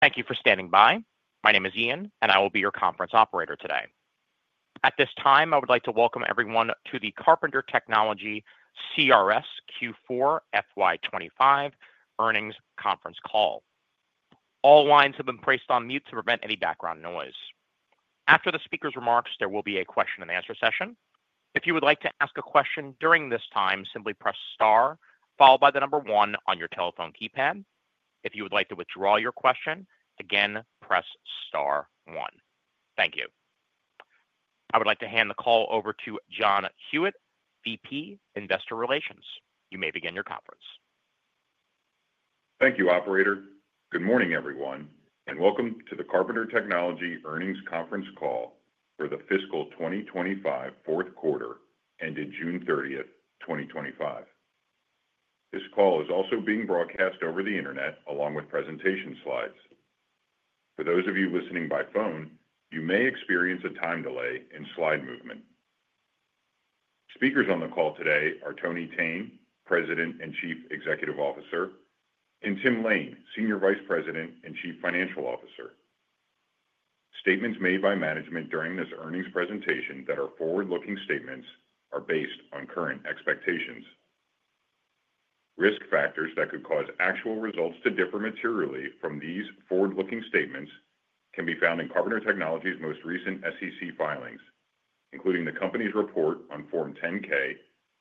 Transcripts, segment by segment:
Thank you for standing by. My name is Ian, and I will be your conference operator today. At this time, I would like to welcome everyone to the Carpenter Technology Q4 FY25 earnings conference call. All lines have been placed on mute to prevent any background noise. After the speaker's remarks, there will be a question-and-answer session. If you would like to ask a question during this time, simply press star followed by the number one on your telephone keypad. If you would like to withdraw your question, again, press star one. Thank you. I would like to hand the call over to John Huyette, VP Investor Relations. You may begin your conference. Thank you, Operator. Good morning, everyone, and welcome to the Carpenter Technology earnings conference call for the fiscal 2025 fourth quarter ended June 30, 2025. This call is also being broadcast over the internet along with presentation slides. For those of you listening by phone, you may experience a time delay in slide movement. Speakers on the call today are Tony Thene, President and Chief Executive Officer, and Tim Lain, Senior Vice President and Chief Financial Officer. Statements made by management during this earnings presentation that are forward-looking statements are based on current expectations. Risk factors that could cause actual results to differ materially from these forward-looking statements can be found in Carpenter Technology's most recent SEC filings, including the company's report on Form 10-K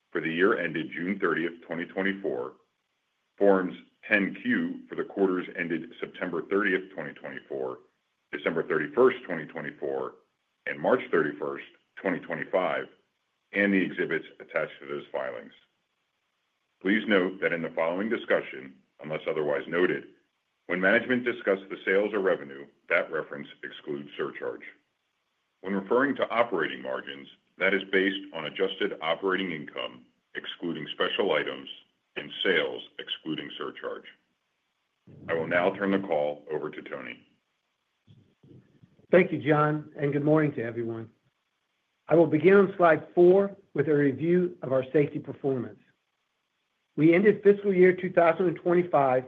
for the year ended June 30, 2024, Forms 10-Q for the quarters ended September 30, 2024, December 31, 2024, and March 31, 2025, and the exhibits attached to those filings. Please note that in the following discussion, unless otherwise noted, when management discusses the sales or revenue, that reference excludes surcharge. When referring to operating margins, that is based on adjusted operating income excluding special items and sales excluding surcharge. I will now turn the call over to Tony. Thank you, John, and good morning to everyone. I will begin on slide four with a review of our safety performance. We ended fiscal year 2025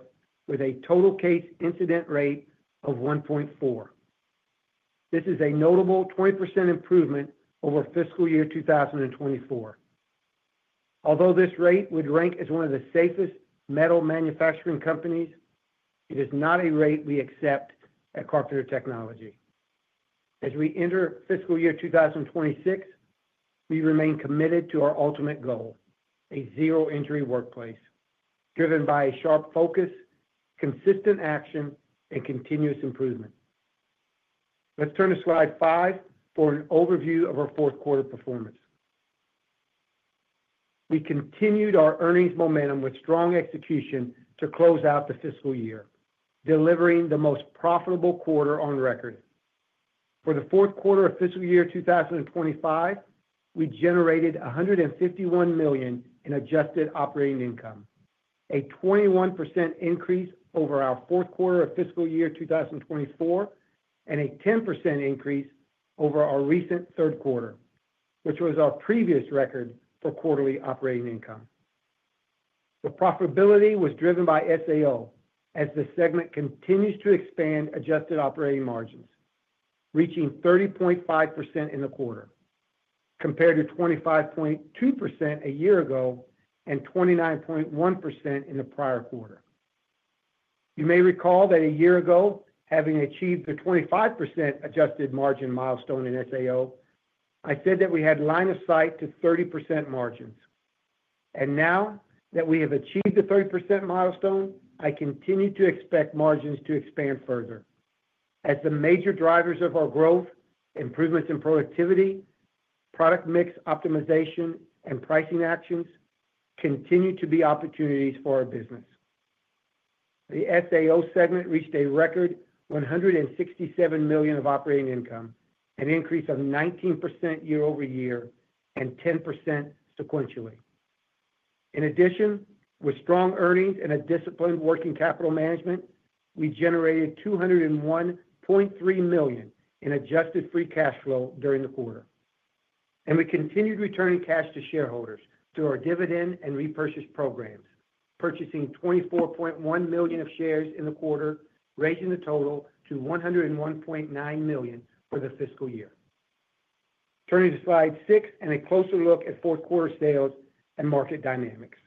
with a total case incident rate of 1.4. This is a notable 20% improvement over fiscal year 2024. Although this rate would rank as one of the safest metal manufacturing companies, it is not a rate we accept at Carpenter Technology. As we enter fiscal year 2026, we remain committed to our ultimate goal, a zero-injury workplace, driven by a sharp focus, consistent action, and continuous improvement. Let's turn to slide five for an overview of our fourth quarter performance. We continued our earnings momentum with strong execution to close out the fiscal year, delivering the most profitable quarter on record. For the fourth quarter of fiscal year 2025, we generated $151 million in adjusted operating income, a 21% increase over our fourth quarter of fiscal year 2024, and a 10% increase over our recent third quarter, which was our previous record for quarterly operating income. The profitability was driven by SAO as the segment continues to expand adjusted operating margins, reaching 30.5% in the quarter, compared to 25.2% a year ago and 29.1% in the prior quarter. You may recall that a year ago, having achieved the 25% adjusted margin milestone in SAO, I said that we had line of sight to 30% margins. Now that we have achieved the 30% milestone, I continue to expect margins to expand further, as the major drivers of our growth, improvements in productivity, product mix optimization, and pricing actions continue to be opportunities for our business. The SAO segment reached a record $167 million of operating income, an increase of 19% year-over-year and 10% sequentially. In addition, with strong earnings and disciplined working capital management, we generated $201.3 million in adjusted free cash flow during the quarter. We continued returning cash to shareholders through our dividend and repurchase programs, purchasing $24.1 million of shares in the quarter, raising the total to $101.9 million for the fiscal year. Turning to slide six and a closer look at fourth quarter sales and market dynamics.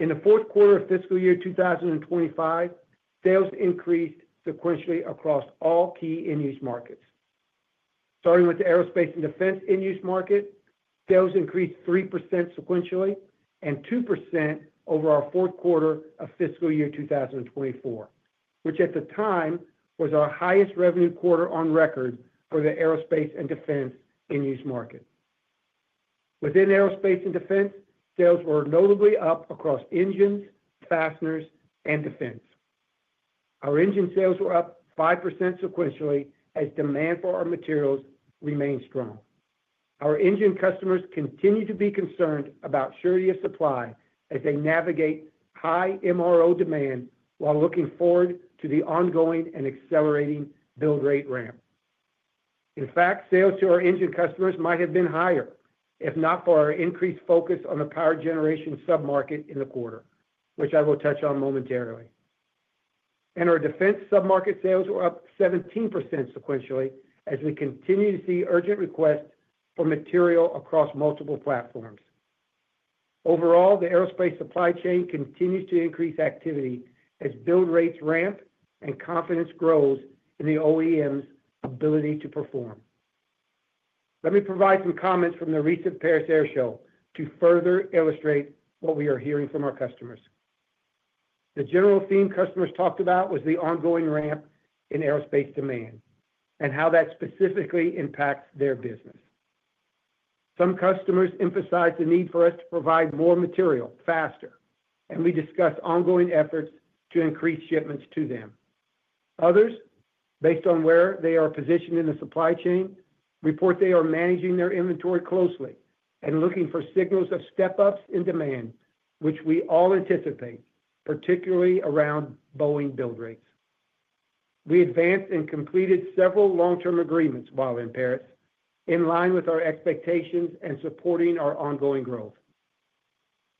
In the fourth quarter of fiscal year 2025, sales increased sequentially across all key end-use markets. Starting with the aerospace and defense end-use market, sales increased 3% sequentially and 2% over our fourth quarter of fiscal year 2024, which at the time was our highest revenue quarter on record for the aerospace and defense end-use market. Within aerospace and defense, sales were notably up across engines, fasteners, and defense. Our engine sales were up 5% sequentially as demand for our materials remained strong. Our engine customers continue to be concerned about surety of supply as they navigate high MRO demand while looking forward to the ongoing and accelerating build rate ramp. In fact, sales to our engine customers might have been higher if not for our increased focus on the power generation submarket in the quarter, which I will touch on momentarily. Our defense submarket sales were up 17% sequentially as we continue to see urgent requests for material across multiple platforms. Overall, the aerospace supply chain continues to increase activity as build rates ramp and confidence grows in the OEM's ability to perform. Let me provide some comments from the recent Paris Air Show to further illustrate what we are hearing from our customers. The general theme customers talked about was the ongoing ramp in aerospace demand and how that specifically impacts their business. Some customers emphasized the need for us to provide more material faster, and we discussed ongoing efforts to increase shipments to them. Others, based on where they are positioned in the supply chain, report they are managing their inventory closely and looking for signals of step-ups in demand, which we all anticipate, particularly around Boeing build rates. We advanced and completed several long-term agreements while in Paris, in line with our expectations and supporting our ongoing growth.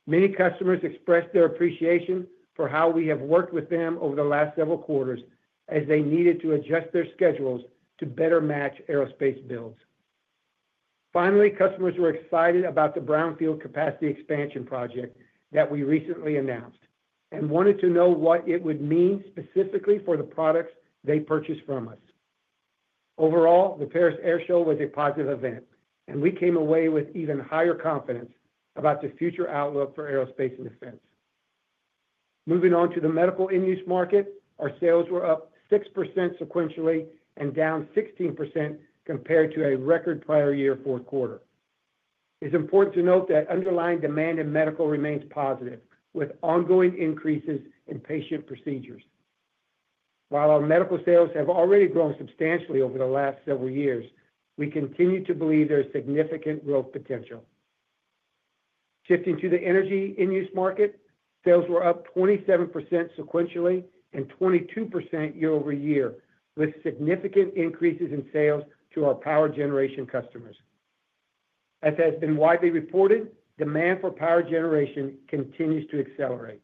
Many customers expressed their appreciation for how we have worked with them over the last several quarters as they needed to adjust their schedules to better match aerospace builds. Finally, customers were excited about the brownfield capacity expansion project that we recently announced and wanted to know what it would mean specifically for the products they purchase from us. Overall, the Paris Air Show was a positive event, and we came away with even higher confidence about the future outlook for aerospace and defense. Moving on to the medical end-use market, our sales were up 6% sequentially and down 16% compared to a record prior year fourth quarter. It's important to note that underlying demand in medical remains positive, with ongoing increases in patient procedures. While our medical sales have already grown substantially over the last several years, we continue to believe there is significant growth potential. Shifting to the energy end-use market, sales were up 27% sequentially and 22% year-over-year, with significant increases in sales to our power generation customers. As has been widely reported, demand for power generation continues to accelerate.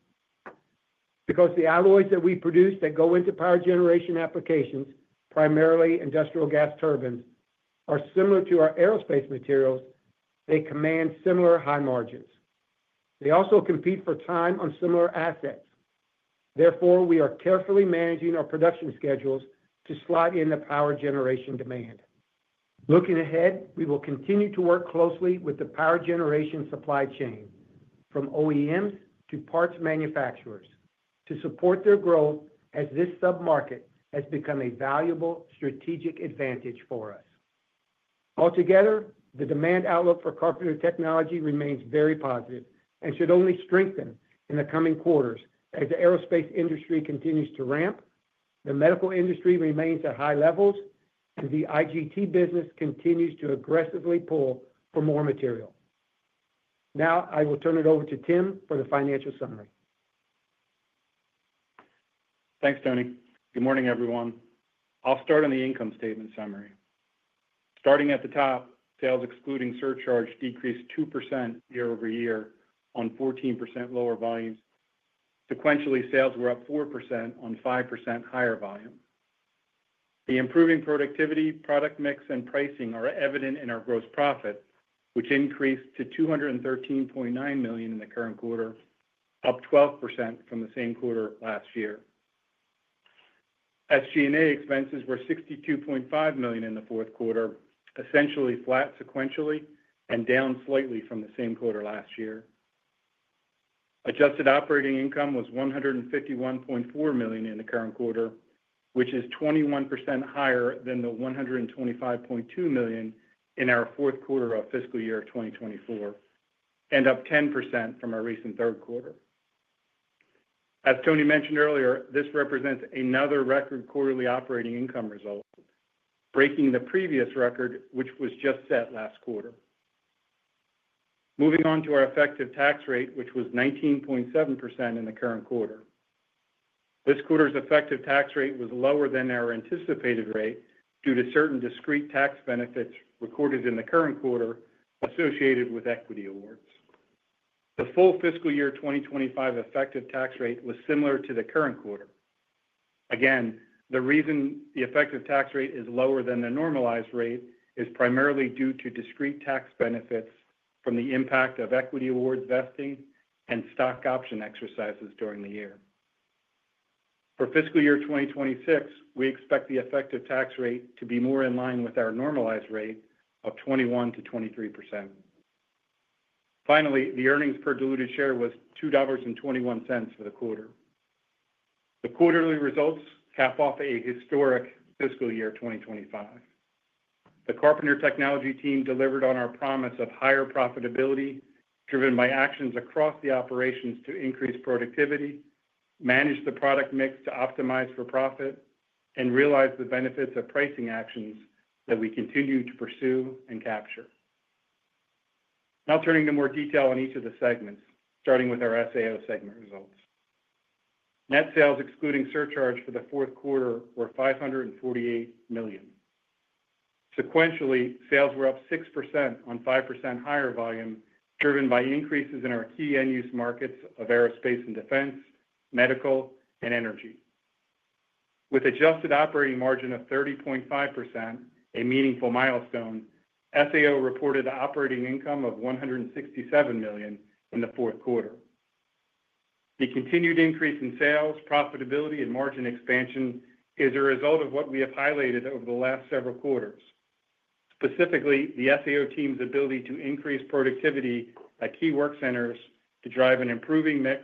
Because the alloys that we produce that go into power generation applications, primarily industrial gas turbines, are similar to our aerospace materials, they command similar high margins. They also compete for time on similar assets. Therefore, we are carefully managing our production schedules to slide in the power generation demand. Looking ahead, we will continue to work closely with the power generation supply chain, from OEMs to parts manufacturers, to support their growth as this submarket has become a valuable strategic advantage for us. Altogether, the demand outlook for Carpenter Technology remains very positive and should only strengthen in the coming quarters as the aerospace industry continues to ramp, the medical industry remains at high levels, and the IGT business continues to aggressively pull for more material. Now, I will turn it over to Tim for the financial summary. Thanks, Tony. Good morning, everyone. I'll start on the income statement summary. Starting at the top, sales excluding surcharge decreased 2% year-over-year on 14% lower volumes. Sequentially, sales were up 4% on 5% higher volume. The improving productivity, product mix, and pricing are evident in our gross profit, which increased to $213.9 million in the current quarter, up 12% from the same quarter last year. SG&A expenses were $62.5 million in the fourth quarter, essentially flat sequentially and down slightly from the same quarter last year. Adjusted operating income was $151.4 million in the current quarter, which is 21% higher than the $125.2 million in our fourth quarter of fiscal year 2024 and up 10% from our recent third quarter. As Tony mentioned earlier, this represents another record quarterly operating income result, breaking the previous record, which was just set last quarter. Moving on to our effective tax rate, which was 19.7% in the current quarter. This quarter's effective tax rate was lower than our anticipated rate due to certain discrete tax benefits recorded in the current quarter associated with equity awards. The full fiscal year 2025 effective tax rate was similar to the current quarter. Again, the reason the effective tax rate is lower than the normalized rate is primarily due to discrete tax benefits from the impact of equity award vesting and stock option exercises during the year. For fiscal year 2026, we expect the effective tax rate to be more in line with our normalized rate of 21%-23%. Finally, the earnings per diluted share was $2.21 for the quarter. The quarterly results cap off a historic fiscal year 2025. The Carpenter Technology team delivered on our promise of higher profitability driven by actions across the operations to increase productivity, manage the product mix to optimize for profit, and realize the benefits of pricing actions that we continue to pursue and capture. Now turning to more detail on each of the segments, starting with our SAO segment results. Net sales excluding surcharge for the fourth quarter were $548 million. Sequentially, sales were up 6% on 5% higher volume driven by increases in our key end-use markets of aerospace and defense, medical, and energy. With adjusted operating margin of 30.5%, a meaningful milestone, SAO reported an operating income of $167 million in the fourth quarter. The continued increase in sales, profitability, and margin expansion is a result of what we have highlighted over the last several quarters, specifically the SAO team's ability to increase productivity at key work centers to drive an improving mix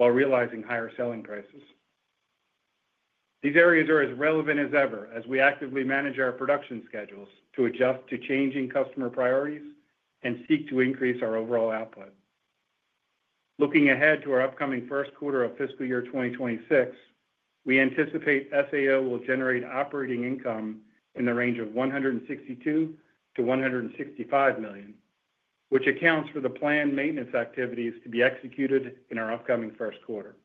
while realizing higher selling prices. These areas are as relevant as ever as we actively manage our production schedules to adjust to changing customer priorities and seek to increase our overall output. Looking ahead to our upcoming first quarter of fiscal year 2026, we anticipate SAO will generate operating income in the range of $162 million-$165 million, which accounts for the planned maintenance activities to be executed in our upcoming first quarter.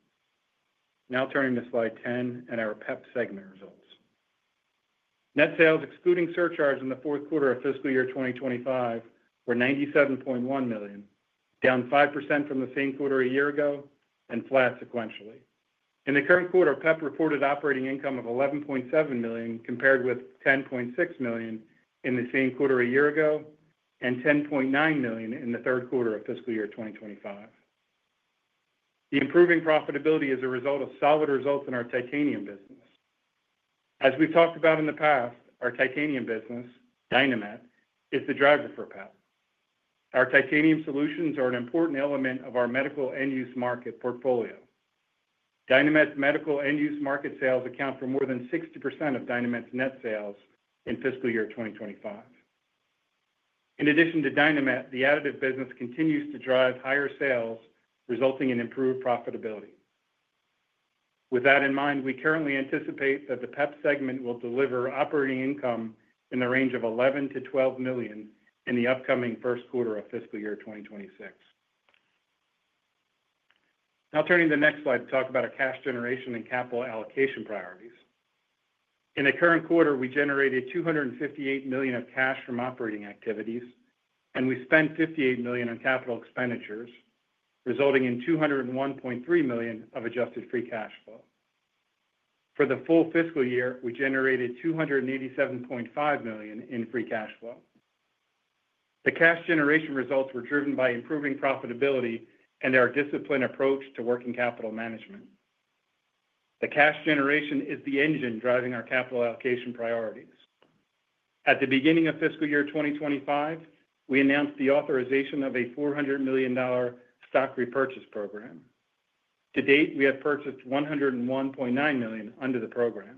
Now turning to slide 10 and our PEP segment results. Net sales excluding surcharge in the fourth quarter of fiscal year 2025 were $97.1 million, down 5% from the same quarter a year ago and flat sequentially. In the current quarter, PEP reported operating income of $11.7 million compared with $10.6 million in the same quarter a year ago and $10.9 million in the third quarter of fiscal year 2025. The improving profitability is a result of solid results in our titanium business. As we've talked about in the past, our titanium business, Dynamet, is the driver for PEP. Our titanium solutions are an important element of our medical end-use market portfolio. Dynamet's medical end-use market sales account for more than 60% of Dynamet's net sales in fiscal year 2025. In addition to Dynamet, the additive business continues to drive higher sales, resulting in improved profitability. With that in mind, we currently anticipate that the PEP segment will deliver operating income in the range of $11 million-$12 million in the upcoming first quarter of fiscal year 2026. Now turning to the next slide to talk about our cash generation and capital allocation priorities. In the current quarter, we generated $258 million of cash from operating activities, and we spent $58 million on capital expenditures, resulting in $201.3 million of adjusted free cash flow. For the full fiscal year, we generated $287.5 million in free cash flow. The cash generation results were driven by improving profitability and our disciplined approach to working capital management. The cash generation is the engine driving our capital allocation priorities. At the beginning of fiscal year 2025, we announced the authorization of a $400 million stock repurchase program. To date, we have purchased $101.9 million under the program.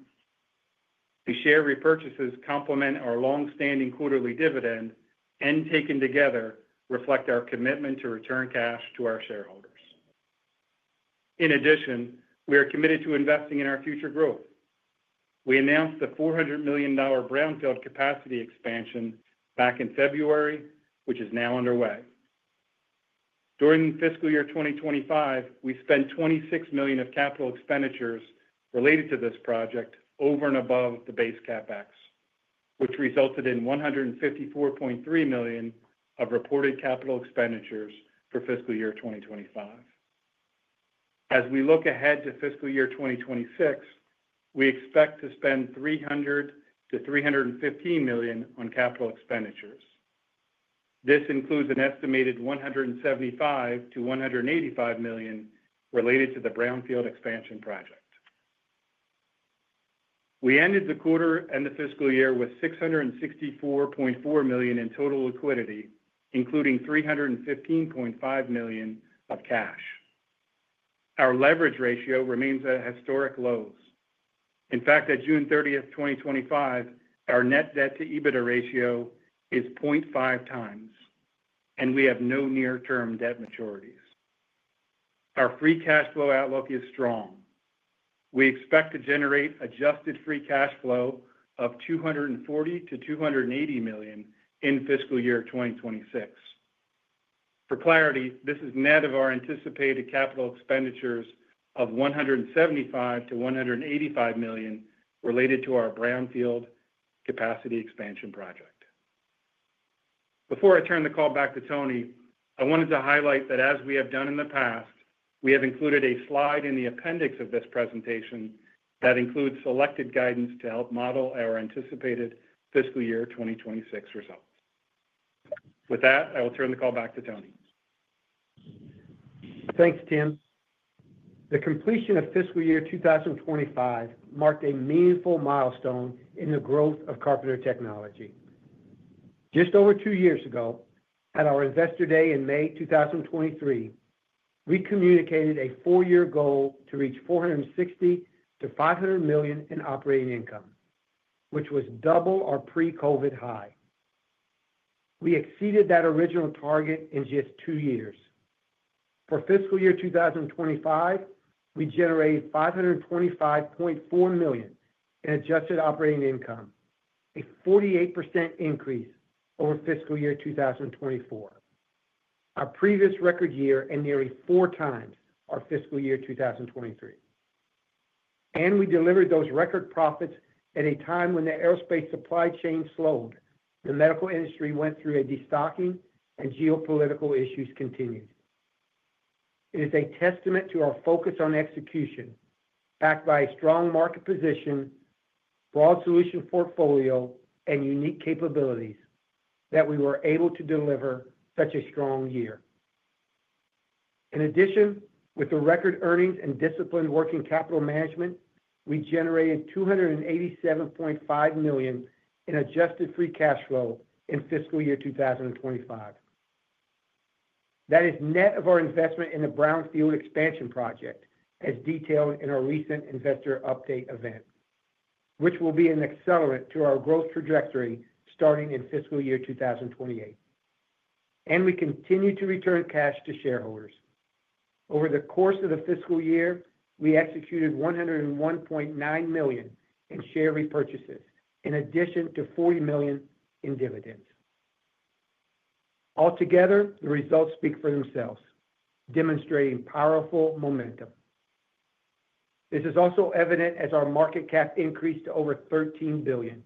The share repurchases complement our long-standing quarterly dividend and, taken together, reflect our commitment to return cash to our shareholders. In addition, we are committed to investing in our future growth. We announced the $400 million brownfield capacity expansion back in February, which is now underway. During fiscal year 2025, we spent $26 million of capital expenditures related to this project over and above the base CapEx, which resulted in $154.3 million of reported capital expenditures for fiscal year 2025. As we look ahead to fiscal year 2026, we expect to spend $300-$315 million on capital expenditures. This includes an estimated $175-$185 million related to the brownfield expansion project. We ended the quarter and the fiscal year with $664.4 million in total liquidity, including $315.5 million of cash. Our leverage ratio remains at historic lows. In fact, at June 30, 2025, our net debt-to-EBITDA ratio is 0.5 times, and we have no near-term debt maturities. Our free cash flow outlook is strong. We expect to generate adjusted free cash flow of $240 to $280 million in fiscal year 2026. For clarity, this is net of our anticipated capital expenditures of $175 to $185 million related to our brownfield capacity expansion project. Before I turn the call back to Tony, I wanted to highlight that, as we have done in the past, we have included a slide in the appendix of this presentation that includes selected guidance to help model our anticipated fiscal year 2026 results. With that, I will turn the call back to Tony. Thanks, Tim. The completion of fiscal year 2025 marked a meaningful milestone in the growth of Carpenter Technology Corporation. Just over two years ago, at our Investor Day in May 2023, we communicated a four-year goal to reach $460 million to $500 million in operating income, which was double our pre-COVID high. We exceeded that original target in just two years. For fiscal year 2025, we generated $525.4 million in adjusted operating income, a 48% increase over fiscal year 2024, our previous record year, and nearly four times our fiscal year 2023. We delivered those record profits at a time when the aerospace supply chain slowed, the medical industry went through a destocking, and geopolitical issues continued. It is a testament to our focus on execution, backed by a strong market position, broad solution portfolio, and unique capabilities that we were able to deliver such a strong year. In addition, with the record earnings and disciplined working capital management, we generated $287.5 million in adjusted free cash flow in fiscal year 2025. That is net of our investment in the brownfield capacity expansion project, as detailed in our recent investor update event, which will be an accelerant to our growth trajectory starting in fiscal year 2028. We continue to return cash to shareholders. Over the course of the fiscal year, we executed $101.9 million in share repurchases, in addition to $40 million in dividends. Altogether, the results speak for themselves, demonstrating powerful momentum. This is also evident as our market cap increased to over $13 billion,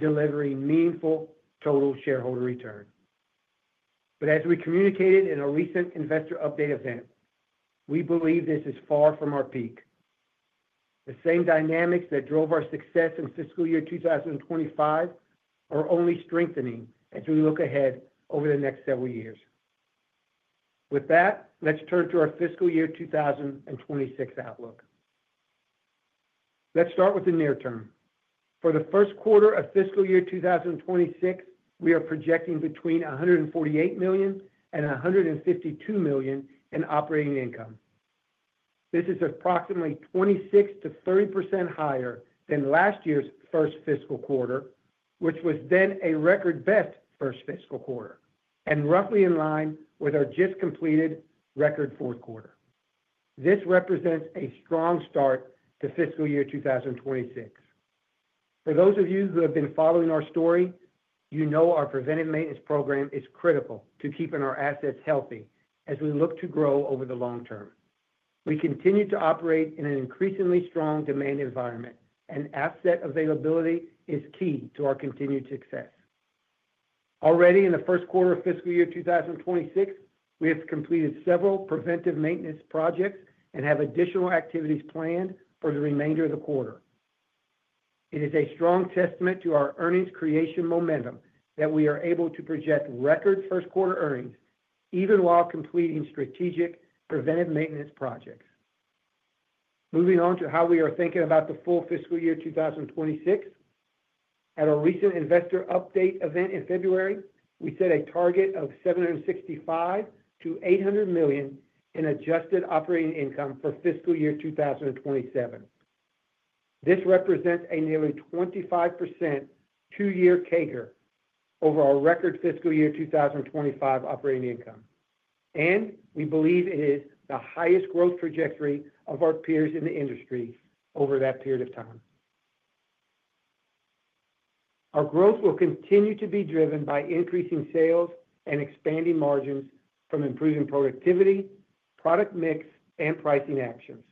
delivering meaningful total shareholder return. As we communicated in our recent investor update event, we believe this is far from our peak. The same dynamics that drove our success in fiscal year 2025 are only strengthening as we look ahead over the next several years. With that, let's turn to our fiscal year 2026 outlook. Let's start with the near term. For the first quarter of fiscal year 2026, we are projecting between $148 million and $152 million in operating income. This is approximately 26% to 30% higher than last year's first fiscal quarter, which was then a record best first fiscal quarter, and roughly in line with our just completed record fourth quarter. This represents a strong start to fiscal year 2026. For those of you who have been following our story, you know our preventive maintenance program is critical to keeping our assets healthy as we look to grow over the long term. We continue to operate in an increasingly strong demand environment, and asset availability is key to our continued success. Already in the first quarter of fiscal year 2026, we have completed several preventive maintenance projects and have additional activities planned for the remainder of the quarter. It is a strong testament to our earnings creation momentum that we are able to project record first quarter earnings, even while completing strategic preventive maintenance projects. Moving on to how we are thinking about the full fiscal year 2026. At our recent investor update event in February, we set a target of $765 million to $800 million in adjusted operating income for fiscal year 2027. This represents a nearly 25% two-year CAGR over our record fiscal year 2025 operating income. We believe it is the highest growth trajectory of our peers in the industry over that period of time. Our growth will continue to be driven by increasing sales and expanding margins from improving productivity, product mix, and pricing actions.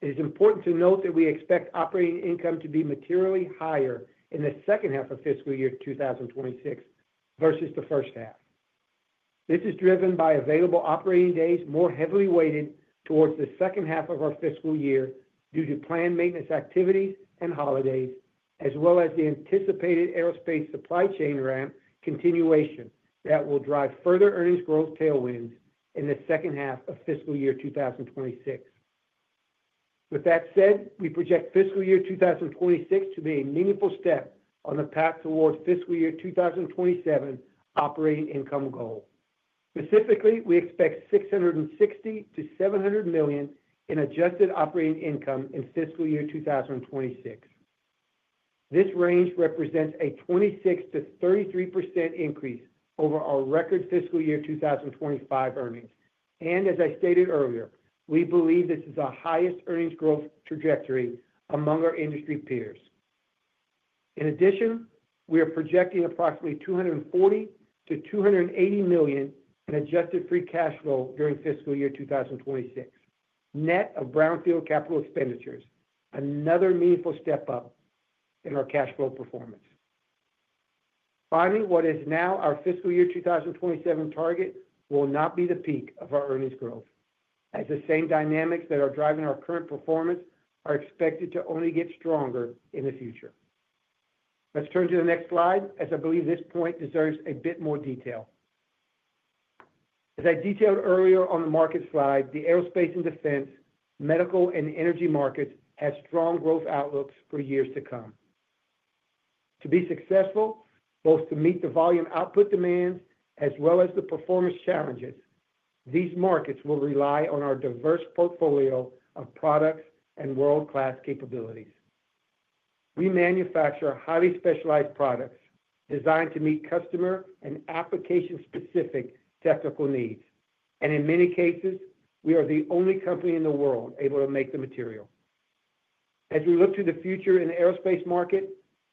It is important to note that we expect operating income to be materially higher in the second half of fiscal year 2026 versus the first half. This is driven by available operating days more heavily weighted towards the second half of our fiscal year due to planned maintenance activities and holidays, as well as the anticipated aerospace supply chain ramp continuation that will drive further earnings growth tailwinds in the second half of fiscal year 2026. With that said, we project fiscal year 2026 to be a meaningful step on the path towards fiscal year 2027 operating income goal. Specifically, we expect $660 million-$700 million in adjusted operating income in fiscal year 2026. This range represents a 26%-33% increase over our record fiscal year 2025 earnings. As I stated earlier, we believe this is the highest earnings growth trajectory among our industry peers. In addition, we are projecting approximately $240 million to $280 million in adjusted free cash flow during fiscal year 2026, net of brownfield capital expenditures, another meaningful step up in our cash flow performance. Finally, what is now our fiscal year 2027 target will not be the peak of our earnings growth, as the same dynamics that are driving our current performance are expected to only get stronger in the future. Let's turn to the next slide, as I believe this point deserves a bit more detail. As I detailed earlier on the market slide, the aerospace and defense, medical, and energy markets have strong growth outlooks for years to come. To be successful, both to meet the volume output demands as well as the performance challenges, these markets will rely on our diverse portfolio of products and world-class capabilities. We manufacture highly specialized products designed to meet customer and application-specific technical needs. In many cases, we are the only company in the world able to make the material. As we look to the future in the aerospace market,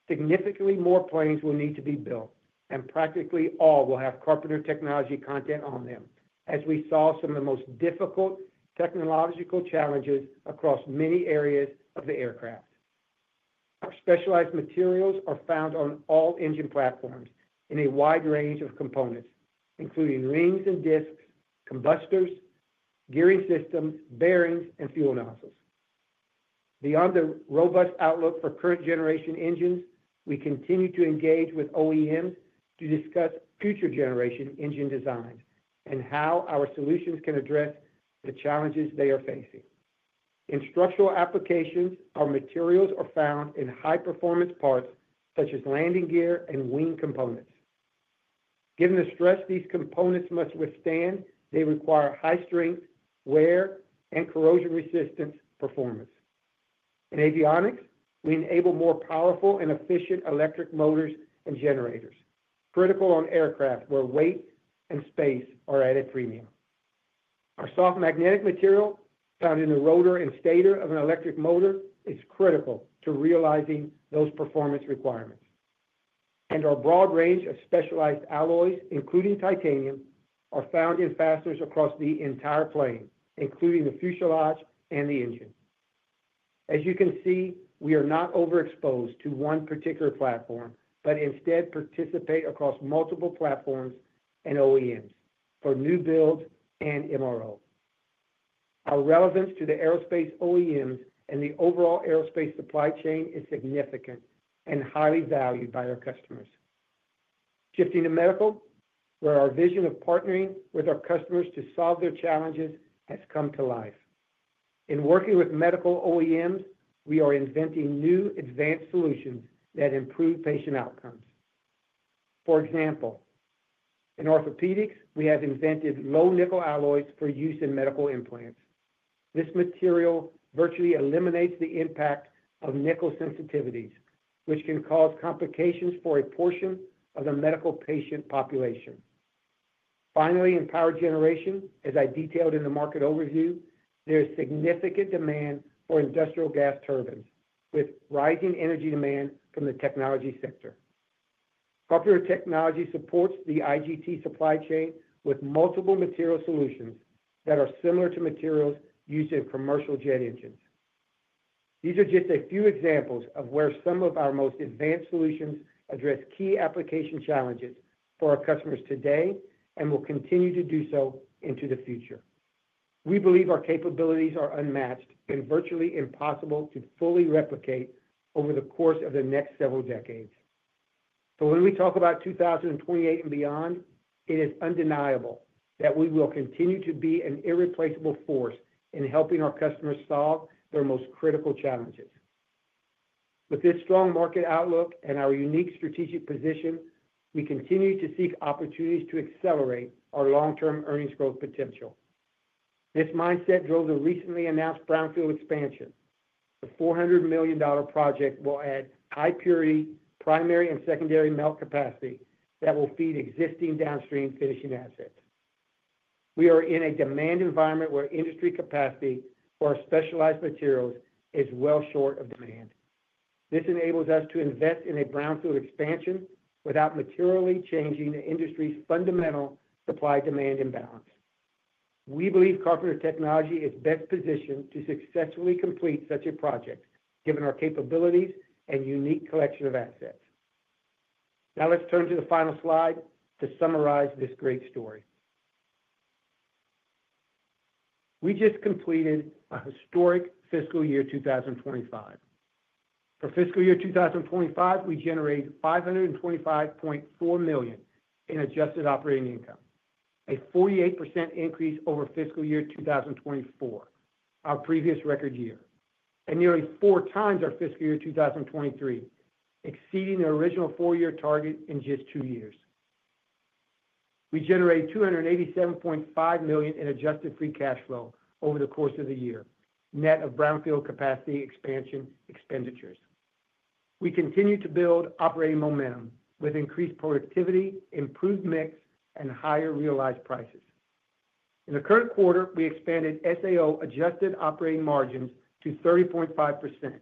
significantly more planes will need to be built, and practically all will have Carpenter Technology content on them, as we solve some of the most difficult technological challenges across many areas of the aircraft. Our specialized materials are found on all engine platforms in a wide range of components, including rings and discs, combustors, gearing systems, bearings, and fuel nozzles. Beyond the robust outlook for current-generation engines, we continue to engage with OEMs to discuss future-generation engine designs and how our solutions can address the challenges they are facing. In structural applications, our materials are found in high-performance parts such as landing gear and wing components. Given the stress these components must withstand, they require high-strength, wear, and corrosion-resistant performance. In avionics, we enable more powerful and efficient electric motors and generators, critical on aircraft where weight and space are at a premium. Our soft magnetic material found in the rotor and stator of an electric motor is critical to realizing those performance requirements. Our broad range of specialized alloys, including titanium, are found in fasteners across the entire plane, including the fuselage and the engine. As you can see, we are not overexposed to one particular platform, but instead participate across multiple platforms and OEMs for new builds and MRO. Our relevance to the aerospace OEMs and the overall aerospace supply chain is significant and highly valued by our customers. Shifting to medical, where our vision of partnering with our customers to solve their challenges has come to life. In working with medical OEMs, we are inventing new advanced solutions that improve patient outcomes. For example, in orthopedics, we have invented low-nickel alloys for use in medical implants. This material virtually eliminates the impact of nickel sensitivities, which can cause complications for a portion of the medical patient population. Finally, in power generation, as I detailed in the market overview, there is significant demand for industrial gas turbines, with rising energy demand from the technology sector. Carpenter Technology supports the IGT supply chain with multiple material solutions that are similar to materials used in commercial jet engines. These are just a few examples of where some of our most advanced solutions address key application challenges for our customers today and will continue to do so into the future. We believe our capabilities are unmatched and virtually impossible to fully replicate over the course of the next several decades. When we talk about 2028 and beyond, it is undeniable that we will continue to be an irreplaceable force in helping our customers solve their most critical challenges. With this strong market outlook and our unique strategic position, we continue to seek opportunities to accelerate our long-term earnings growth potential. This mindset drove the recently announced brownfield expansion. The $400 million project will add high-purity primary and secondary melt capacity that will feed existing downstream finishing assets. We are in a demand environment where industry capacity for our specialized materials is well short of demand. This enables us to invest in a brownfield expansion without materially changing the industry's fundamental supply-demand imbalance. We believe Carpenter Technology is best positioned to successfully complete such a project, given our capabilities and unique collection of assets. Now let's turn to the final slide to summarize this great story. We just completed a historic fiscal year 2025. For fiscal year 2025, we generated $525.4 million in adjusted operating income, a 48% increase over fiscal year 2024, our previous record year, and nearly four times our fiscal year 2023, exceeding the original four-year target in just two years. We generated $287.5 million in adjusted free cash flow over the course of the year, net of brownfield capacity expansion expenditures. We continue to build operating momentum with increased productivity, improved mix, and higher realized prices. In the current quarter, we expanded SAO adjusted operating margins to 30.5%,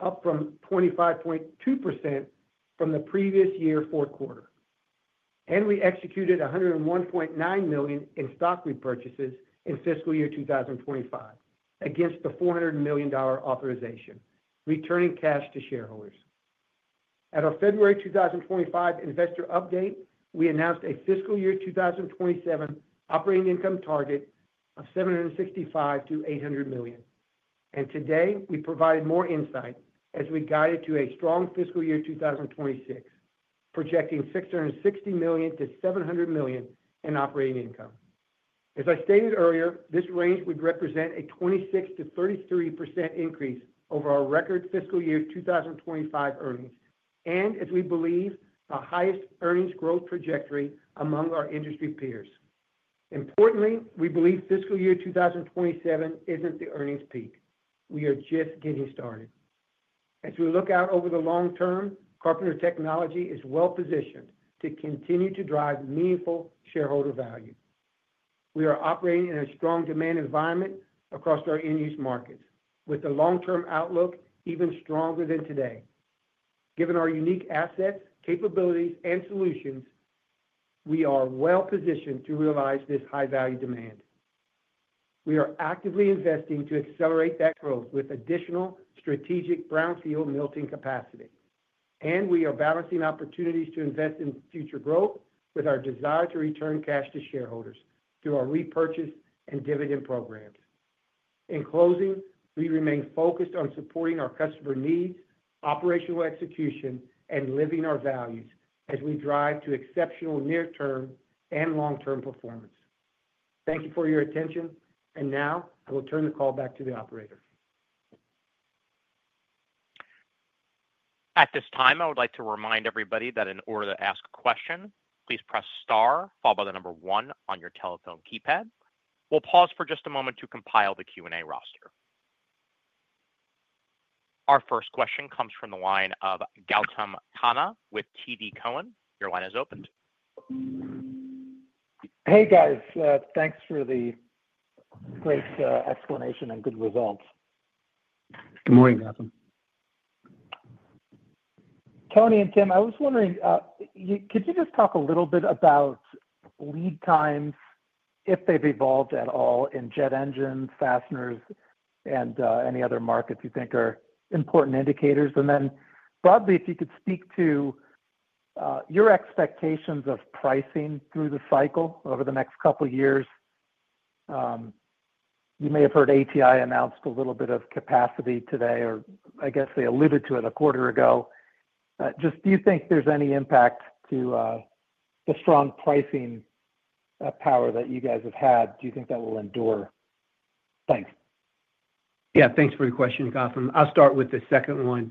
up from 25.2% from the previous year fourth quarter. We executed $101.9 million in stock repurchases in fiscal year 2025 against the $400 million authorization, returning cash to shareholders. At our February 2025 investor update, we announced a fiscal year 2027 operating income target of $765 million to $800 million. Today, we provided more insight as we guided to a strong fiscal year 2026, projecting $660 million-$700 million in operating income. As I stated earlier, this range would represent a 26% to 33% increase over our record fiscal year 2025 earnings, and as we believe, the highest earnings growth trajectory among our industry peers. Importantly, we believe fiscal year 2027 isn't the earnings peak. We are just getting started. As we look out over the long term, Carpenter Technology is well-positioned to continue to drive meaningful shareholder value. We are operating in a strong demand environment across our end-use markets, with the long-term outlook even stronger than today. Given our unique assets, capabilities, and solutions, we are well-positioned to realize this high-value demand. We are actively investing to accelerate that growth with additional strategic brownfield melting capacity. We are balancing opportunities to invest in future growth with our desire to return cash to shareholders through our repurchase and dividend programs. In closing, we remain focused on supporting our customer needs, operational execution, and living our values as we drive to exceptional near-term and long-term performance. Thank you for your attention. I will turn the call back to the operator. At this time, I would like to remind everybody that in order to ask a question, please press star, followed by the number one on your telephone keypad. We'll pause for just a moment to compile the Q&A roster. Our first question comes from the line of Gautam Khanna with TD Cowen. Your line is opened. Hey, guys. Thanks for the great explanation and good results. Good morning, Gautam. Tony and Tim, I was wondering, could you just talk a little bit about lead times, if they've evolved at all, in jet engines, fasteners, and any other markets you think are important indicators? Broadly, if you could speak to your expectations of pricing through the cycle over the next couple of years. You may have heard ATI announced a little bit of capacity today, or I guess they alluded to it a quarter ago. Do you think there's any impact to the strong pricing power that you guys have had? Do you think that will endure? Thanks. Yeah, thanks for your question, Gautam. I'll start with the second one.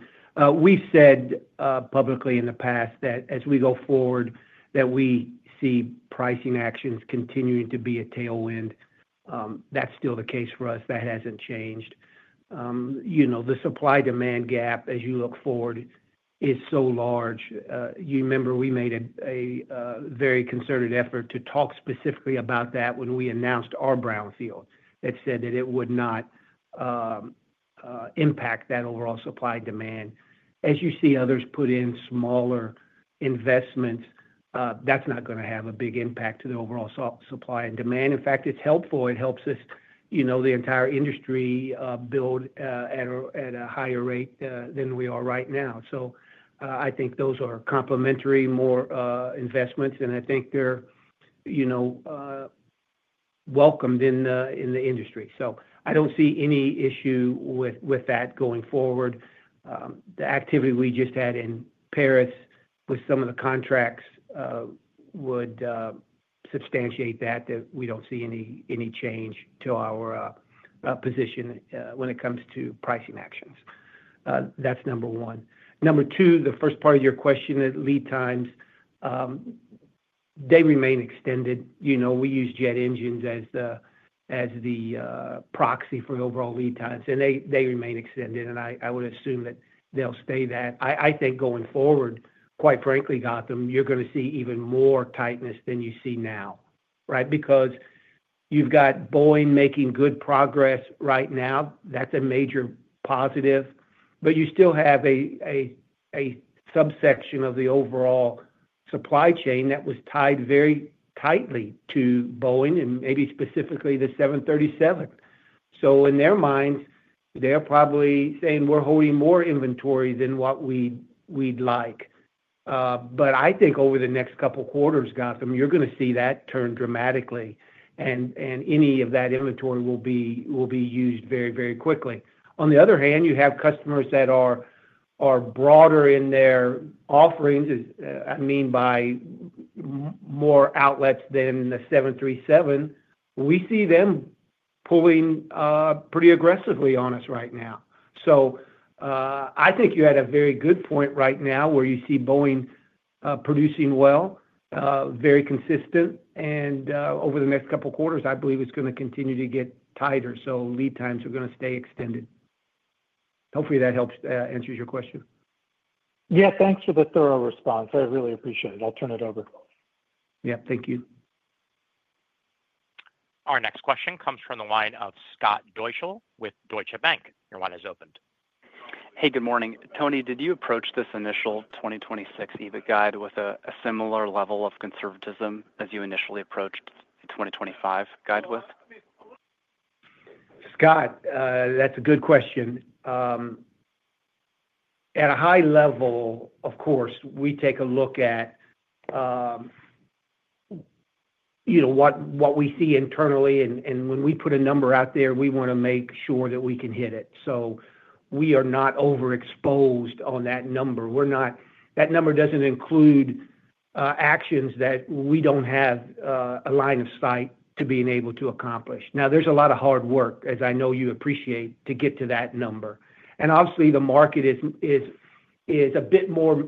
We've said publicly in the past that as we go forward, we see pricing actions continuing to be a tailwind. That's still the case for us. That hasn't changed. The supply-demand gap, as you look forward, is so large. You remember we made a very concerted effort to talk specifically about that when we announced our brownfield. It said that it would not impact that overall supply-demand. As you see others put in smaller investments, that's not going to have a big impact to the overall supply and demand. In fact, it's helpful. It helps us, the entire industry, build at a higher rate than we are right now. I think those are complementary, more investments, and I think they're welcomed in the industry. I don't see any issue with that going forward. The activity we just had in Paris with some of the contracts would substantiate that, that we don't see any change to our position when it comes to pricing actions. That's number one. Number two, the first part of your question at lead times. They remain extended. We use jet engines as the proxy for overall lead times, and they remain extended. I would assume that they'll stay that. I think going forward, quite frankly, Gautam, you're going to see even more tightness than you see now, right? You've got Boeing making good progress right now. That's a major positive. You still have a subsection of the overall supply chain that was tied very tightly to Boeing and maybe specifically the 737. In their minds, they're probably saying, "We're holding more inventory than what we'd like." I think over the next couple of quarters, Gautam, you're going to see that turn dramatically. Any of that inventory will be used very, very quickly. On the other hand, you have customers that are broader in their offerings, I mean by more outlets than the 737. We see them pulling pretty aggressively on us right now. I think you had a very good point right now where you see Boeing producing well. Very consistent. Over the next couple of quarters, I believe it's going to continue to get tighter. Lead times are going to stay extended. Hopefully, that answers your question. Yeah, thanks for the thorough response. I really appreciate it. I'll turn it over. Yep, thank you. Our next question comes from the line of Scott Deuschle with Deutsche Bank. Your line is opened. Hey, good morning. Tony, did you approach this initial 2026 EBIT guide with a similar level of conservatism as you initially approached the 2025 guide with? Scott, that's a good question. At a high level, of course, we take a look at what we see internally. When we put a number out there, we want to make sure that we can hit it, so we are not overexposed on that number. That number doesn't include actions that we don't have a line of sight to being able to accomplish. There's a lot of hard work, as I know you appreciate, to get to that number. Obviously, the market is a bit more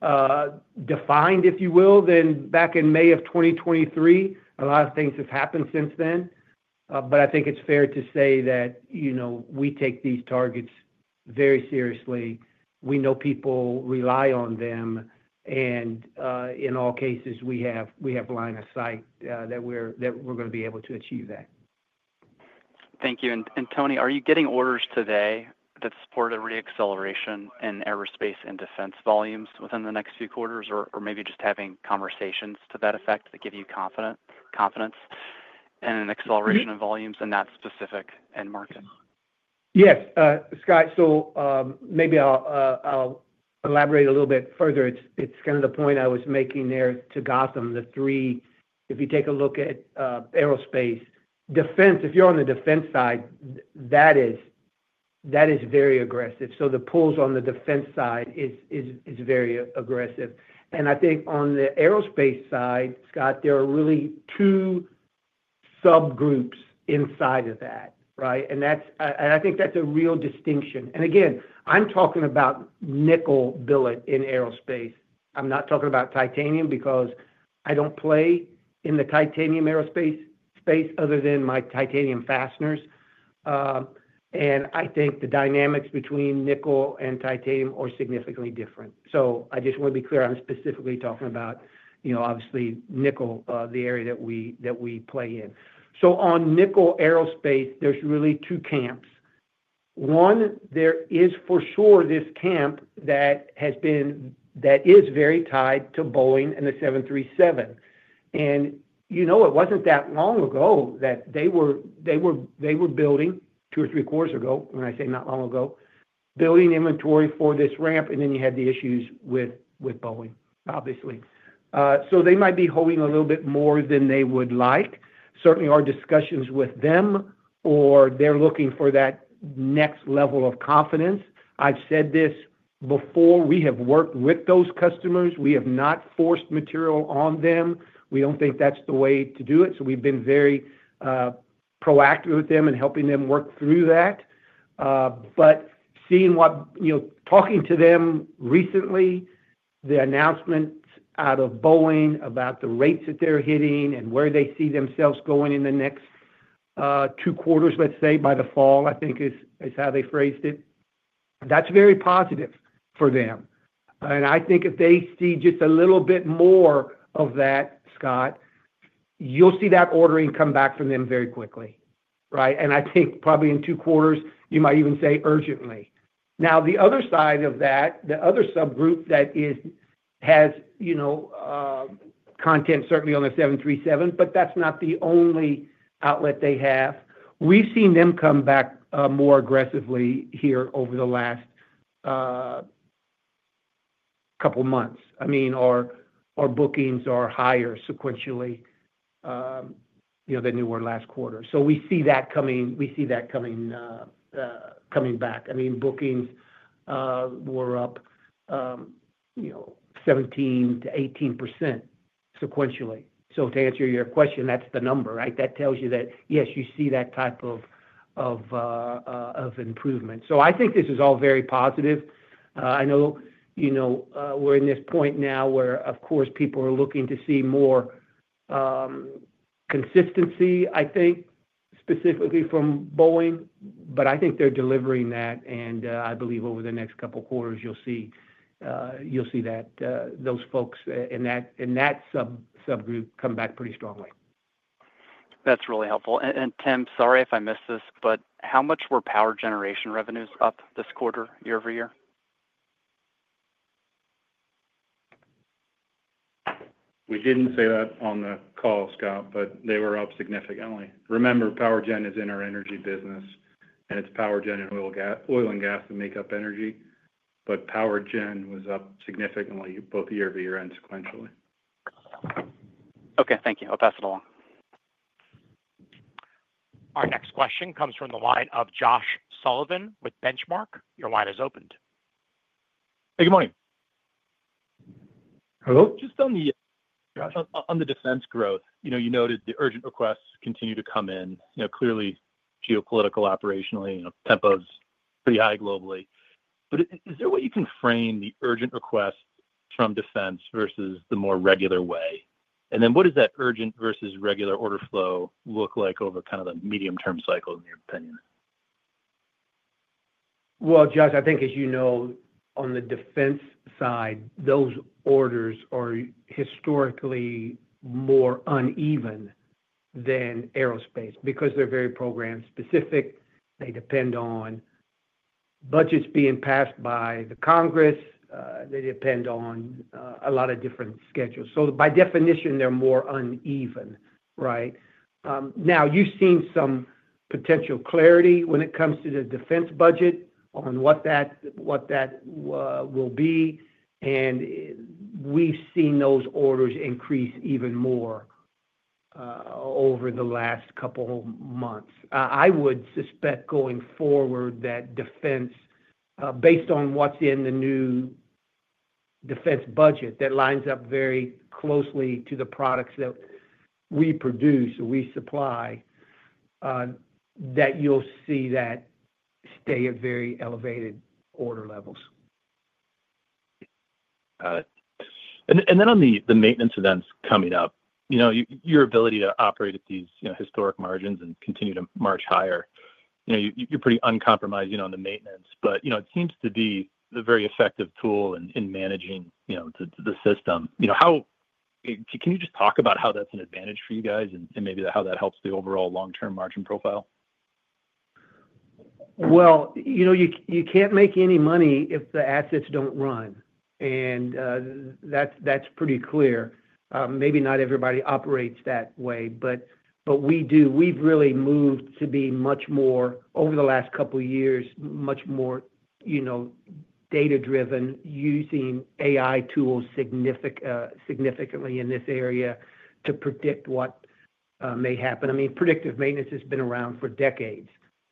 defined, if you will, than back in May of 2023. A lot of things have happened since then. I think it's fair to say that we take these targets very seriously. We know people rely on them, and in all cases, we have a line of sight that we're going to be able to achieve that. Thank you. Tony, are you getting orders today that support a reacceleration in aerospace and defense volumes within the next few quarters, or maybe just having conversations to that effect that give you confidence in an acceleration of volumes in that specific end market? Yes, Scott. Maybe I'll elaborate a little bit further. It's kind of the point I was making there to Gautam, the three. If you take a look at aerospace, defense, if you're on the defense side, that is very aggressive. The pulls on the defense side are very aggressive. I think on the aerospace side, Scott, there are really two subgroups inside of that, right? I think that's a real distinction. Again, I'm talking about nickel billet in aerospace. I'm not talking about titanium because I don't play in the titanium aerospace space other than my titanium fasteners. I think the dynamics between nickel and titanium are significantly different. I just want to be clear. I'm specifically talking about, obviously, nickel, the area that we play in. On nickel aerospace, there's really two camps. One, there is for sure this camp that is very tied to Boeing and the 737. It wasn't that long ago that they were building, two or three quarters ago, when I say not long ago, building inventory for this ramp, and then you had the issues with Boeing, obviously. They might be holding a little bit more than they would like. Certainly, our discussions with them, they're looking for that next level of confidence. I've said this before. We have worked with those customers. We have not forced material on them. We don't think that's the way to do it. We've been very proactive with them and helping them work through that. Talking to them recently, the announcements out of Boeing about the rates that they're hitting and where they see themselves going in the next two quarters, let's say, by the fall, I think is how they phrased it. That's very positive for them. I think if they see just a little bit more of that, Scott, you'll see that ordering come back from them very quickly, right? I think probably in two quarters, you might even say urgently. The other side of that, the other subgroup that has content, certainly on the 737, but that's not the only outlet they have. We've seen them come back more aggressively here over the last couple of months. Our bookings are higher sequentially than they were last quarter. We see that coming back. Bookings were up 17%-18% sequentially. To answer your question, that's the number, right? That tells you that, yes, you see that type of improvement. I think this is all very positive. I know we're in this point now where, of course, people are looking to see more consistency, I think, specifically from Boeing. I think they're delivering that. I believe over the next couple of quarters, you'll see those folks in that subgroup come back pretty strongly. That's really helpful. Tim, sorry if I missed this, but how much were power generation revenues up this quarter, year-over-year? We didn't say that on the call, Scott, but they were up significantly. Remember, power gen is in our energy business. It's power gen and oil and gas that make up energy. Power gen was up significantly both year-over-year and sequentially. Okay, thank you. I'll pass it along. Our next question comes from the line of Josh Sullivan with Benchmark. Your line is opened. Hey, good morning. Hello? Just on the defense growth, you noted the urgent requests continue to come in. Clearly, geopolitical, operationally, tempos pretty high globally. Is there a way you can frame the urgent requests from defense versus the more regular way? What does that urgent versus regular order flow look like over kind of the medium-term cycle, in your opinion? Josh, I think, as you know, on the defense side, those orders are historically more uneven than aerospace because they're very program-specific. They depend on. Budgets being passed by the Congress depend on a lot of different schedules, so by definition, they're more uneven, right? Now, you've seen some potential clarity when it comes to the defense budget on what that will be. We've seen those orders increase even more over the last couple of months. I would suspect going forward that defense, based on what's in the new defense budget that lines up very closely to the products that we produce or we supply, that you'll see that stay at very elevated order levels. Got it. On the maintenance events coming up, your ability to operate at these historic margins and continue to march higher, you're pretty uncompromised on the maintenance, but it seems to be a very effective tool in managing the system. Can you just talk about how that's an advantage for you guys and maybe how that helps the overall long-term margin profile? You can't make any money if the assets don't run, and that's pretty clear. Maybe not everybody operates that way, but we do. We've really moved to be much more, over the last couple of years, much more data-driven, using AI tools significantly in this area to predict what may happen. Predictive maintenance has been around for decades.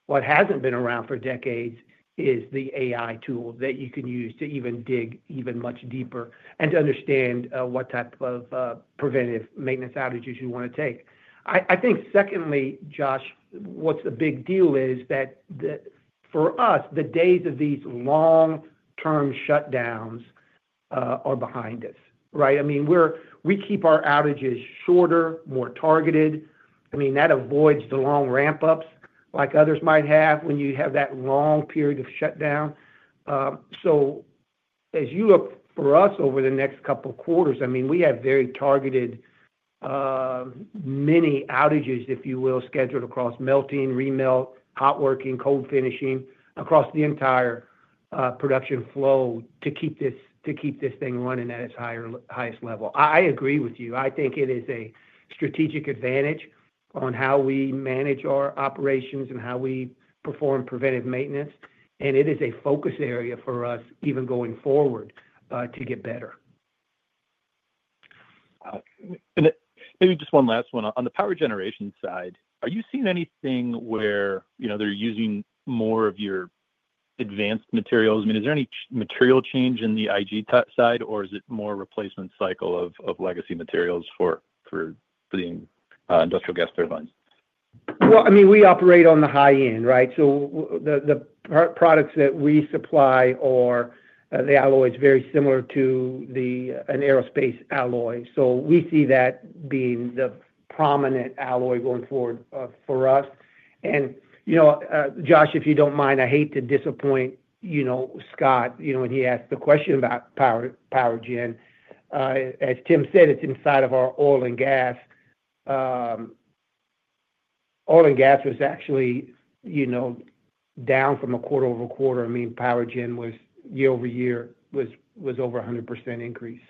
What hasn't been around for decades is the AI tool that you can use to dig even much deeper and to understand what type of preventive maintenance outages you want to take. I think, secondly, Josh, what's the big deal is that for us, the days of these long-term shutdowns are behind us, right? We keep our outages shorter, more targeted. That avoids the long ramp-ups like others might have when you have that long period of shutdown. As you look for us over the next couple of quarters, we have very targeted, many outages, if you will, scheduled across melting, remote, hot working, cold finishing, across the entire production flow to keep this thing running at its highest level. I agree with you. I think it is a strategic advantage on how we manage our operations and how we perform preventive maintenance, and it is a focus area for us even going forward to get better. Maybe just one last one. On the power generation side, are you seeing anything where they're using more of your advanced materials? Is there any material change in the IGT side, or is it more replacement cycle of legacy materials for the industrial gas turbines? I mean, we operate on the high end, right? The products that we supply are the alloys very similar to an aerospace alloy. We see that being the prominent alloy going forward for us. Josh, if you don't mind, I hate to disappoint Scott when he asked the question about Power Gen. As Tim said, it's inside of our oil and gas. Oil and gas was actually down from a quarter over a quarter. Power Gen year-over-year was over 100% increased.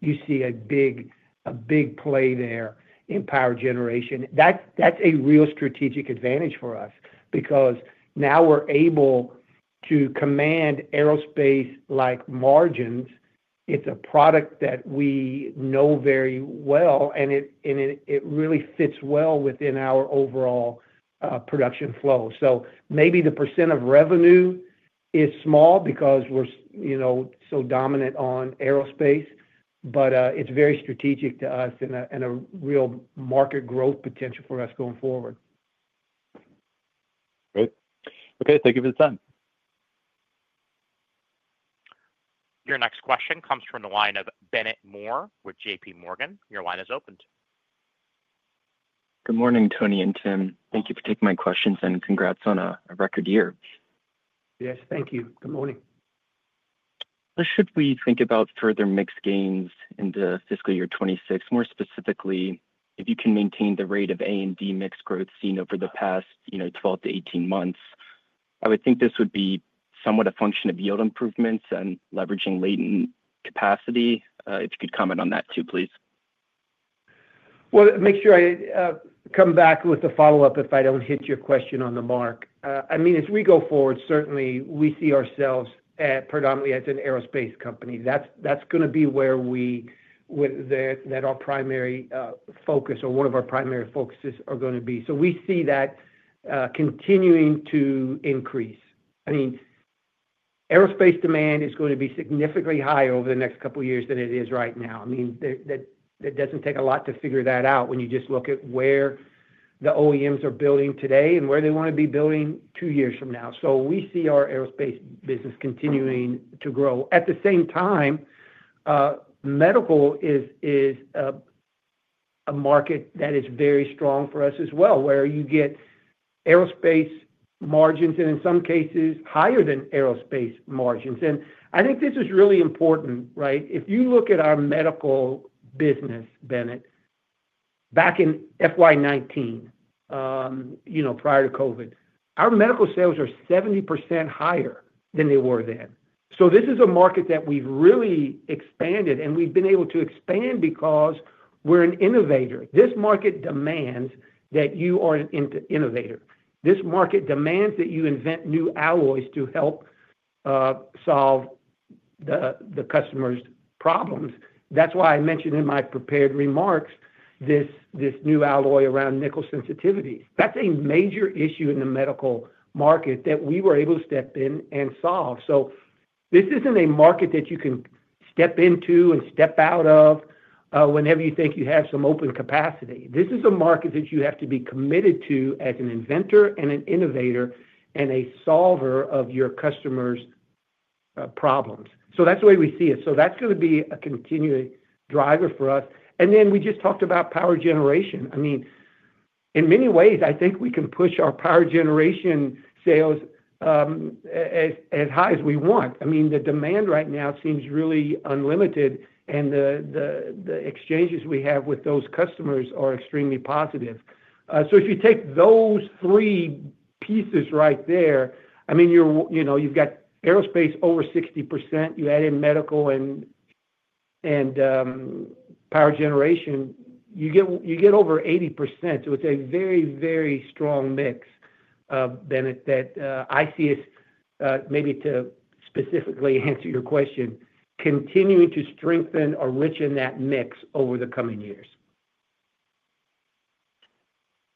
You see a big play there in power generation. That's a real strategic advantage for us because now we're able to command aerospace-like margins. It's a product that we know very well, and it really fits well within our overall production flow. Maybe the percent of revenue is small because we're so dominant on aerospace, but it's very strategic to us and a real market growth potential for us going forward. Thank you for the time. Your next question comes from the line of Bennett Moore with J.P. Morgan. Your line is opened. Good morning, Tony and Tim. Thank you for taking my questions and congrats on a record year. Yes, thank you. Good morning. Should we think about further mix gains in the fiscal year 2026, more specifically, if you can maintain the rate of A&D mix growth seen over the past 12 to 18 months, I would think this would be somewhat a function of yield improvements and leveraging latent capacity. If you could comment on that too, please. Make sure I come back with a follow-up if I don't hit your question on the mark. As we go forward, certainly, we see ourselves predominantly as an aerospace company. That's going to be where our primary focus or one of our primary focuses are going to be. We see that continuing to increase. Aerospace demand is going to be significantly higher over the next couple of years than it is right now. It doesn't take a lot to figure that out when you just look at where the OEMs are building today and where they want to be building two years from now. We see our aerospace business continuing to grow. At the same time, medical is a market that is very strong for us as well, where you get aerospace margins and, in some cases, higher than aerospace margins. I think this is really important, right? If you look at our medical business, Bennett, back in FY2019, prior to COVID, our medical sales are 70% higher than they were then. This is a market that we've really expanded, and we've been able to expand because we're an innovator. This market demands that you are an innovator. This market demands that you invent new alloys to help solve the customer's problems. That's why I mentioned in my prepared remarks this new alloy around nickel sensitivity. That's a major issue in the medical market that we were able to step in and solve. This isn't a market that you can step into and step out of whenever you think you have some open capacity. This is a market that you have to be committed to as an inventor and an innovator and a solver of your customer's problems. That's the way we see it. That's going to be a continuing driver for us. We just talked about power generation. In many ways, I think we can push our power generation sales as high as we want. The demand right now seems really unlimited, and the exchanges we have with those customers are extremely positive. If you take those three pieces right there, you've got aerospace over 60%. You add in medical and power generation, you get over 80%. It's a very, very strong mix. Bennett, that I see is maybe to specifically answer your question, continuing to strengthen or richen that mix over the coming years.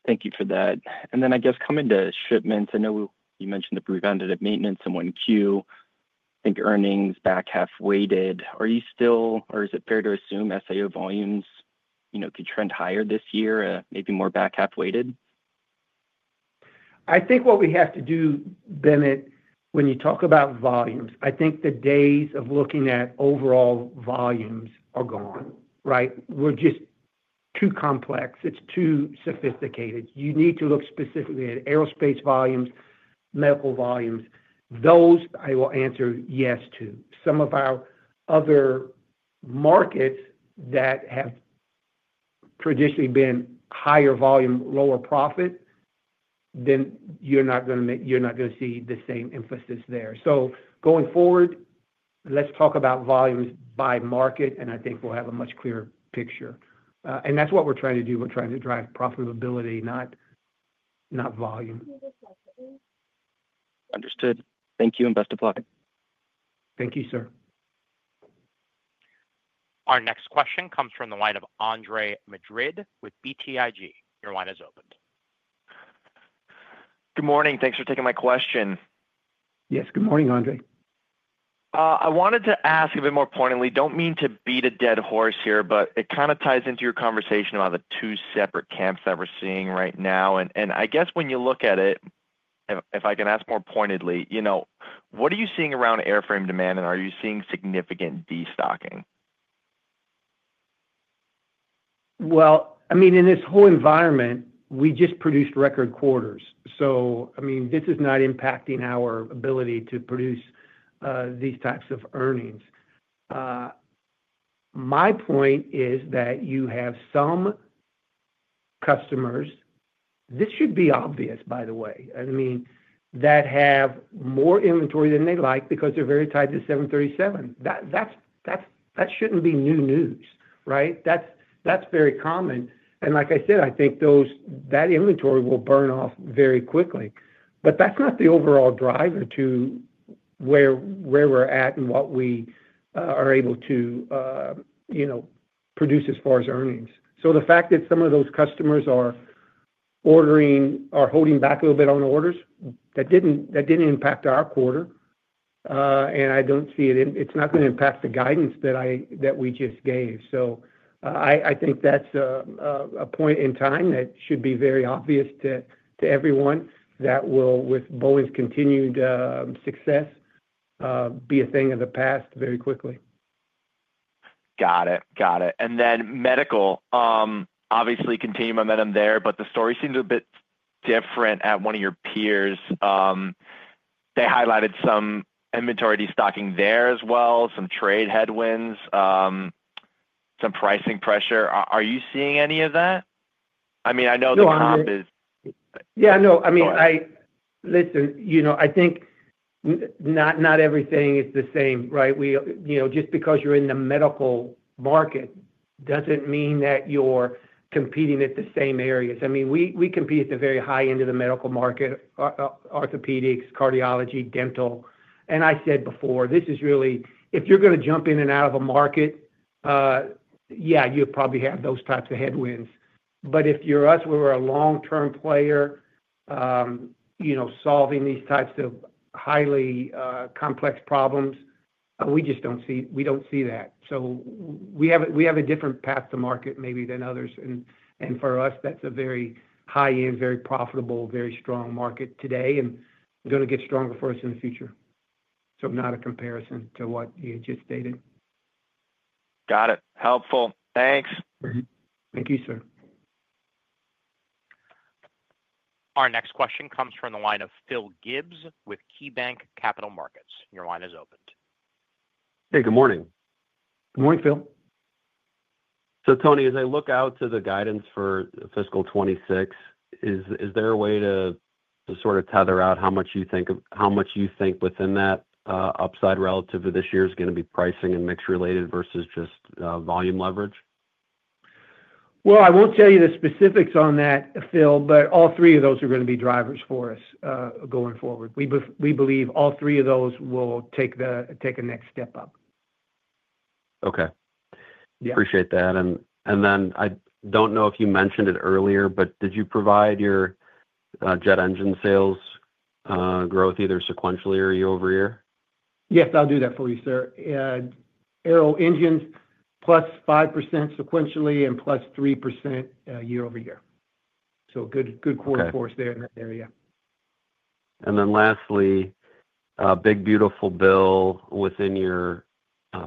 Thank you for that. I guess coming to shipments, I know you mentioned the preventive maintenance in one queue. I think earnings back half weighted. Are you still, or is it fair to assume SAO volumes could trend higher this year, maybe more back half weighted? I think what we have to do, Bennett, when you talk about volumes, I think the days of looking at overall volumes are gone, right? We're just too complex. It's too sophisticated. You need to look specifically at aerospace volumes, medical volumes. Those, I will answer yes to. Some of our other markets that have traditionally been higher volume, lower profit, then you're not going to see the same emphasis there. Going forward, let's talk about volumes by market, and I think we'll have a much clearer picture. That's what we're trying to do. We're trying to drive profitability, not volume. Understood. Thank you and best of luck. Thank you, sir. Our next question comes from the line of Andre Madrid with BTIG. Your line is opened. Good morning. Thanks for taking my question. Yes. Good morning, Andre. I wanted to ask a bit more pointedly. Don't mean to beat a dead horse here, but it kind of ties into your conversation about the two separate camps that we're seeing right now. I guess when you look at it. If I can ask more pointedly. What are you seeing around airframe demand, and are you seeing significant destocking? I mean, in this whole environment, we just produced record quarters. This is not impacting our ability to produce these types of earnings. My point is that you have some customers—this should be obvious, by the way—that have more inventory than they like because they're very tied to 737. That shouldn't be new news, right? That's very common. Like I said, I think that inventory will burn off very quickly. That's not the overall driver to where we're at and what we are able to produce as far as earnings. The fact that some of those customers are holding back a little bit on orders, that didn't impact our quarter. I don't see it. It's not going to impact the guidance that we just gave. I think that's a point in time that should be very obvious to everyone that will, with Boeing's continued success, be a thing of the past very quickly. Got it. Got it. And then medical. Obviously, continued momentum there, but the story seems a bit different at one of your peers. They highlighted some inventory destocking there as well, some trade headwinds, some pricing pressure. Are you seeing any of that? I mean, I know the comp is. Yeah. No. I mean, listen, I think not everything is the same, right? Just because you're in the medical market doesn't mean that you're competing at the same areas. We compete at the very high end of the medical market. Orthopedics, cardiology, dental. I said before, this is really—if you're going to jump in and out of a market, you probably have those types of headwinds. If you're us, we're a long-term player solving these types of highly complex problems. We just don't see that. We have a different path to market maybe than others. For us, that's a very high-end, very profitable, very strong market today, and going to get stronger for us in the future. Not a comparison to what you just stated. Got it. Helpful. Thanks., Thank you, sir. Our next question comes from the line of Philip Gibbs with KeyBanc Capital Markets. Your line is opened. Hey, good morning. Good morning, Phil. As I look out to the guidance for fiscal 2026, is there a way to sort of tether out how much you think within that upside relative to this year is going to be pricing and mix-related versus just volume leverage? I won't tell you the specifics on that, Phil, but all three of those are going to be drivers for us going forward. We believe all three of those will take a next step up. Appreciate that. I don't know if you mentioned it earlier, but did you provide your jet engine sales growth either sequentially or year over year? Yes, I'll do that for you, sir. Aero engines, plus 5% sequentially and plus 3% year over year. Good core force there in that area. Lastly, big, beautiful bill within your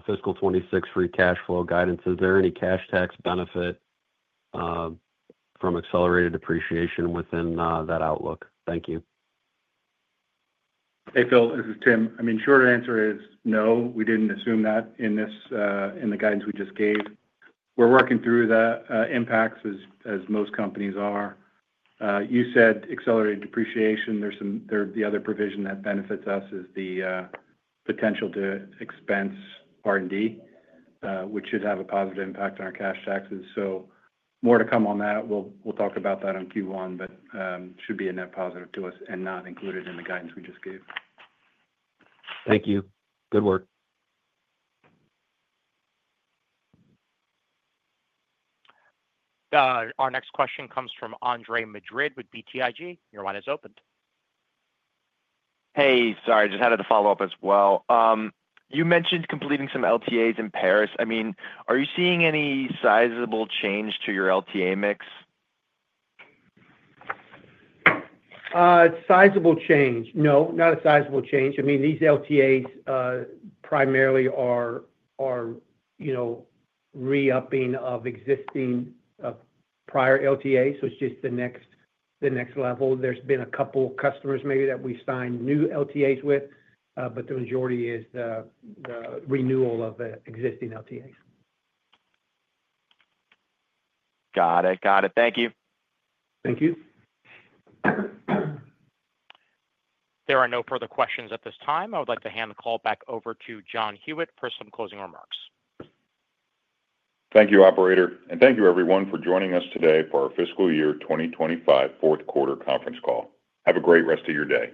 fiscal 2026 free cash flow guidance. Is there any cash tax benefit from accelerated depreciation within that outlook? Thank you. Hey, Phil. This is Tim. Short answer is no. We didn't assume that in the guidance we just gave. We're working through the impacts as most companies are. You said accelerated depreciation. The other provision that benefits us is the potential to expense R&D, which should have a positive impact on our cash taxes. More to come on that. We'll talk about that on Q1, but it should be a net positive to us and not included in the guidance we just gave. Thank you. Good work. Our next question comes from Andre Madrid with BTIG. Your line is opened. Sorry. Just had to follow up as well. You mentioned completing some LTAs in Paris. Are you seeing any sizable change to your LTA mix? Sizable change? No, not a sizable change. These LTAs primarily are re-upping of existing prior LTAs, so it's just the next level. There's been a couple of customers maybe that we signed new LTAs with, but the majority is the renewal of the existing LTAs. Got it. Got it. Thank you. Thank you. There are no further questions at this time. I would like to hand the call back over to John Huyette for some closing remarks. Thank you, operator. Thank you, everyone, for joining us today for our fiscal year 2025 fourth quarter conference call. Have a great rest of your day.